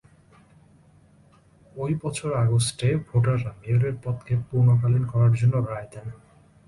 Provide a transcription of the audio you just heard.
ঐ বছর আগস্টে ভোটাররা মেয়রের পদকে পূর্ণকালীন করার জন্য রায় দেন।